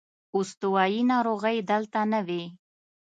استوايي ناروغۍ دلته نه وې.